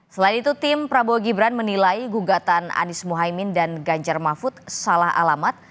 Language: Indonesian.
selain itu tim prabowo gibran menilai gugatan anies mohaimin dan ganjar mahfud salah alamat